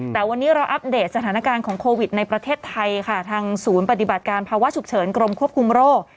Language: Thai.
แต่วันนี้เราอัปเดตสถานการณ์ของโควิดในประเทศไทยค่ะทางศูนย์ปฏิบัติการภาวะฉุกเฉินกรมควบคุมโรค